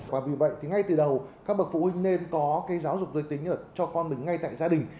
và vì vậy thì ngay từ đầu các bậc phụ huynh nên có cái giáo dục giới tính cho con mình ngay tại gia đình